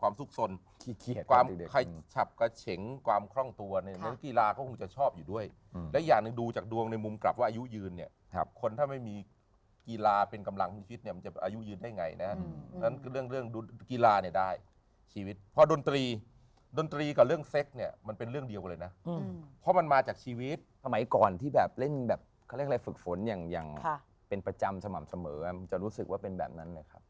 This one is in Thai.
พฤษฐพิจิกพฤษฐพิจิกพฤษฐพิจิกพฤษฐพิจิกพฤษฐพิจิกพฤษฐพิจิกพฤษฐพิจิกพฤษฐพิจิกพฤษฐพิจิกพฤษฐพิจิกพฤษฐพิจิกพฤษฐพิจิกพฤษฐพิจิกพฤษฐพิจิกพฤษฐพิจิกพฤษฐพิจิกพฤษฐพิจิก